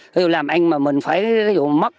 thí dụ làm anh mà mình phải mất